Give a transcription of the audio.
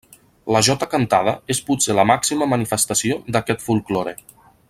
La jota cantada és potser la màxima manifestació d'aquest folklore.